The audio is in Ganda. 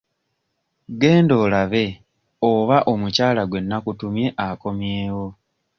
Genda olabe oba omukyala gwe nnakutumye akomyewo.